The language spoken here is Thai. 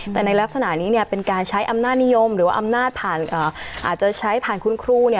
แต่ในลักษณะนี้เป็นการใช้อำนาจนิยมหรือว่าอำนาจอาจจะใช้ผ่านคุณครู